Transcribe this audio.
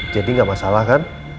jadi gak masalah kan